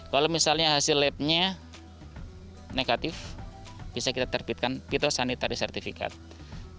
kalau misalnya hasil labnya negatif bisa kita terbitkan pitosanitary certificate